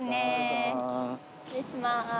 失礼します。